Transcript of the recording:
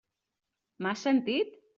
M'has sentit?